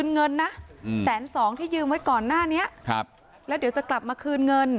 เงินนะแสนสองที่ยืมไว้ก่อนหน้านี้ครับแล้วเดี๋ยวจะกลับมาคืนเงิน